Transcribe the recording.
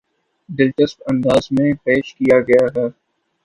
دلچسپ انداز میں پیش کیا گیا ہے